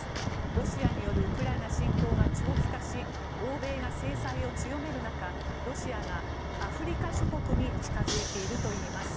ロシアによるウクライナ侵攻が長期化し欧米が制裁を強める中ロシアがアフリカ諸国に近付いているといいます。